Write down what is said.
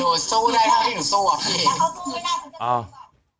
หนูสู้ได้เมื่อกาที่สู้อะแบบนี้